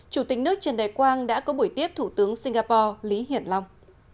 chủ tịch nước trần đại quang đã có buổi tiếp thủ tướng singapore lý hiển long